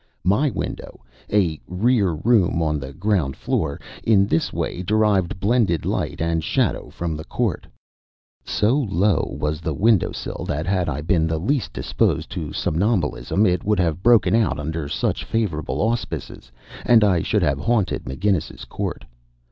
My window a rear room on the ground floor in this way derived blended light and shadow from the court. So low was the window sill that, had I been the least disposed to somnambulism, it would have broken out under such favorable auspices, and I should have haunted McGinnis's Court.